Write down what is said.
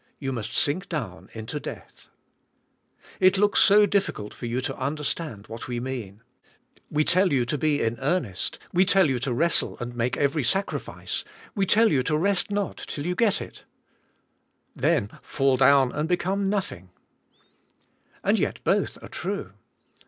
You must sink down into death. It looks so difficult for you to understand what we mean. We tell you to be in earnest, we tell you to wrestle and make every sacrifice, we tell you to rest not till you g et it then fall down and become nothing , and yet both are true.